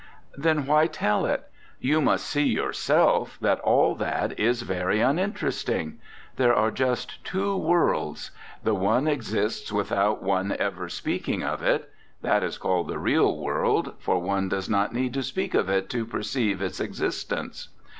"Then why tell it? You must see yourself that all that is very uninter esting. There are just two worlds; the one exists without one ever speaking of it; that is called the real world, for one does not need to speak of it to perceive its existence.